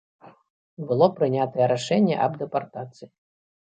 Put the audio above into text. Было прынятае рашэнне аб дэпартацыі.